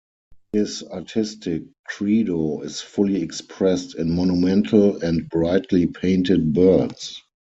His artistic "credo" is fully expressed in monumental and brightly painted birds.